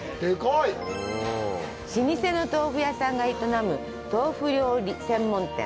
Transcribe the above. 老舗の豆腐屋さんが営む豆腐料理専門店。